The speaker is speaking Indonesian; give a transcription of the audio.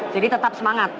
jadi tetap semangat